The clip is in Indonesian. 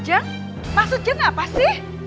jeng maksud jeng apa sih